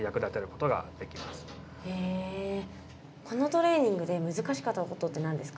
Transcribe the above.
このトレーニングで難しかったことって何ですか？